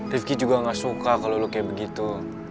rifki juga gak suka kalau lo kayak begitu